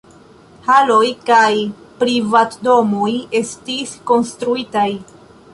Haloj kaj privatdomoj estis konstruitaj.